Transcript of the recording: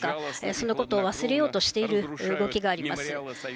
そのことを忘れようとしている動きがあります。